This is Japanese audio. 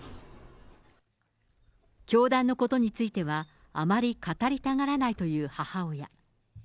教団のことについてはあまり語りたがらないという母親。